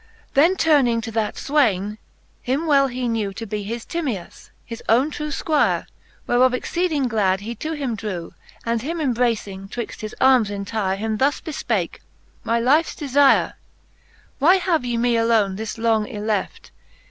XXIII. Then turning to that fwaine, him well he knew To be his Timtas^ his owne true Squire, Whereof exceeding glad, he to him drew, And him embracing twixt his armes entire, Him thus befpake ; My liefe, my lifes defire. Why have ye me alone thus long yleft